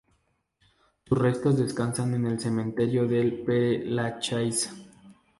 Sus restos descansan en el cementerio del Pere Lachaise.